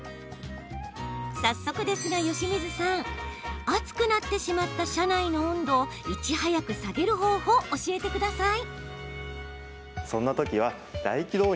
早速ですが、由水さん暑くなってしまった車内の温度をいち早く下げる方法を教えてください。